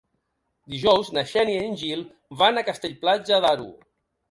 Dijous na Xènia i en Gil van a Castell-Platja d'Aro.